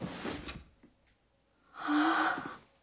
ああ。